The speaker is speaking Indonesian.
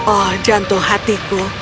oh jantung hatiku